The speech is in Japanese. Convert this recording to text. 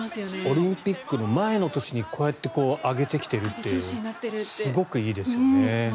オリンピックの前の年にこうやって上げてきているというすごくいいですよね。